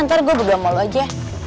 ntar gue beban sama lo aja